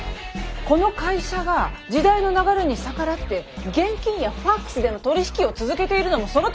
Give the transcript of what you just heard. この会社が時代の流れに逆らって現金やファックスでの取り引きを続けているのもそのためですか？